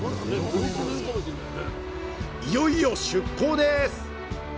いよいよ出港です！